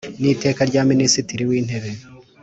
N iteka rya minisitiri w intebe